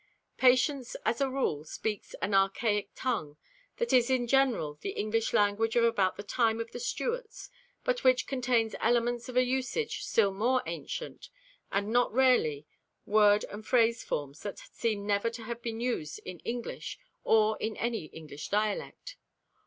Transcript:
Patience as a rule speaks an archaic tongue that is in general the English language of about the time of the Stuarts, but which contains elements of a usage still more ancient, and, not rarely, word and phrase forms that seem never to have been used in English or in any English dialect.